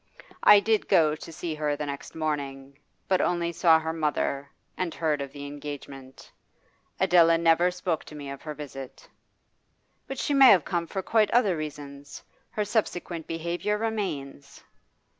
I did go to see her the next morning, but only saw her mother, and heard of the engagement. Adela never spoke to me of her visit.' 'But she may have come for quite other reasons. Her subsequent behaviour remains.